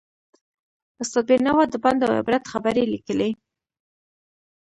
استاد بینوا د پند او عبرت خبرې لیکلې.